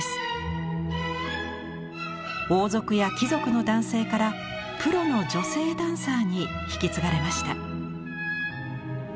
王族や貴族の男性からプロの女性ダンサーに引き継がれました。